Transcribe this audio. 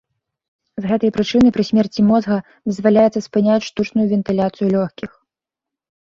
З гэтай прычыны, пры смерці мозга дазваляецца спыняць штучную вентыляцыю лёгкіх.